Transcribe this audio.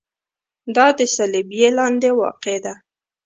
دا د صلبیې لاندې واقع ده.